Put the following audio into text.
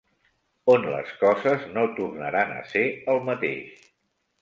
On les coses no tornaran a ser el mateix.